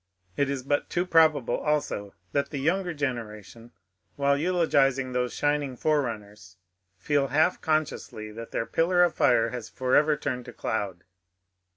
It is but too probable, also, that the younger generation, while eulogizing those shining forerunners, feel half con sciously that their pillar of fire has forever turned to cloud.